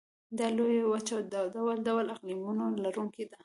دا لویه وچه د ډول ډول اقلیمونو لرونکې ده.